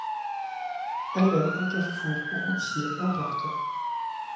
Elle est un carrefour routier important.